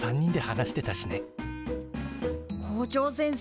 校長先生